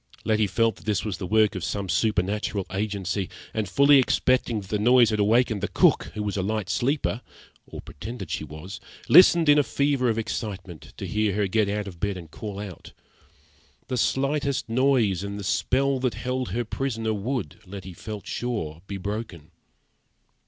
Letty felt that this was the work of some supernatural agency, and, fully expecting that the noise had awakened the cook, who was a light sleeper (or pretended she was), listened in a fever of excitement to hear her get out of bed and call out. The slightest noise and the spell that held her prisoner would, Letty felt sure, be broken.